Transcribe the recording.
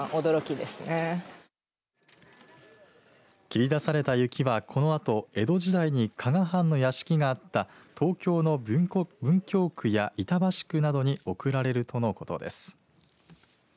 切り出された雪はこのあと江戸時代に加賀藩の屋敷があった東京の文京区や板橋区などに送られるとのことです。